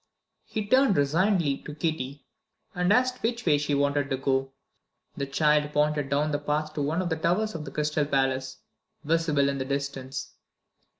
He turned resignedly to Kitty and asked which way she wanted to go. The child pointed down the path to one of the towers of the Crystal Palace, visible in the distance.